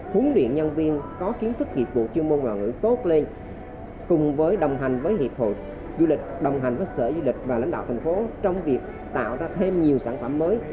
huấn luyện nhân viên có kiến thức nghiệp vụ chuyên môn ngoại ngữ tốt lên cùng với đồng hành với hiệp hội du lịch đồng hành với sở du lịch và lãnh đạo thành phố trong việc tạo ra thêm nhiều sản phẩm mới